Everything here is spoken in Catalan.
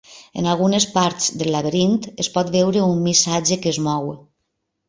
En algunes parts del laberint, es pot veure un missatge que es mou.